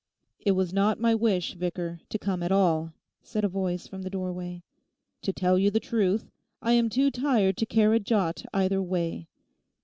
'It was not my wish, Vicar, to come at all,' said a voice from the doorway. 'To tell you the truth, I am too tired to care a jot either way.